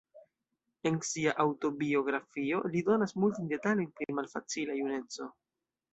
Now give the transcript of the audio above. En sia aŭtobiografio, li donas multajn detalojn pri malfacila juneco.